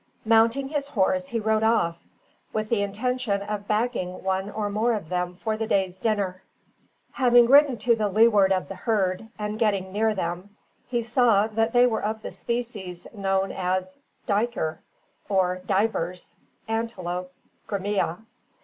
Mounting his horse, he rode off, with the intention of bagging one or more of them for the day's dinner. Having ridden to the leeward of the herd, and getting near them, he saw that they were of the species known as "Duyker," or Divers (Antelope grimmia).